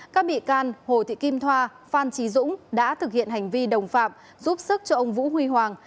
các bị can hồ thị kim thoa phan trí dũng đã thực hiện hành vi đồng phạm giúp sức cho ông vũ huy hoàng